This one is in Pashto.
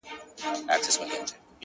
د ځان وژني د رسۍ خریدارۍ ته ولاړم.